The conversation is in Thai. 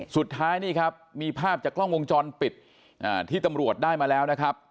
สุดท้ายนี่ครับมีภาพจากกล้องวงจรปิดที่ตำรวจได้มาแล้วนะครับ